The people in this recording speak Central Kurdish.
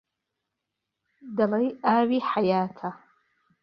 دهڵهی ئاوی حهیاته